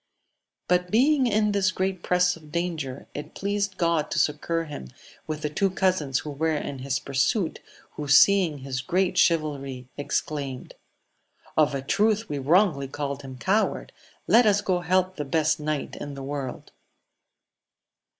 But being in this great press of danger, it pleased God to succour him with the two cousins who were in lus pursuit, who seeing his great chivalry, exclaimed. Of a truth we wrongly called him coward : let us go help the best knight in the world